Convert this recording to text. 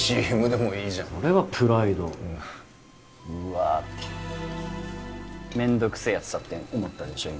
ＣＭでもいいじゃんそれはプライドうわ「うわ」ってめんどくせえやつだって思ったでしょ